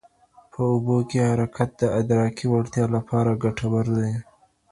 په اوبو کې حرکت د ادراکي وړتیا لپاره ګټور دی.